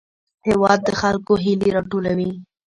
هېواد د خلکو هیلې راټولوي.